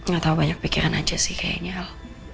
gak tau banyak pikiran aja sih kayaknya al